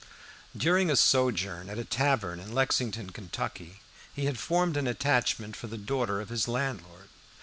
During a sojourn at a tavern in Lexington, Kentucky, he had formed an attachment for the daughter of his landlord.